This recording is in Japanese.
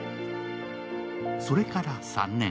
それから３年。